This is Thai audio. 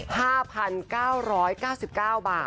๕๙๙๙บาทนะคะ